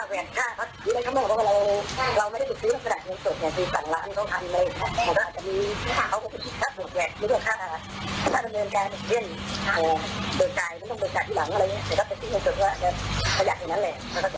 คิดว่าแรงคณะมันก็จะมี